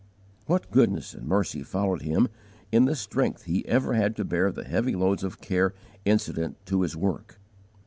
What goodness and mercy followed him in the strength he ever had to bear the heavy loads of care incident to his work!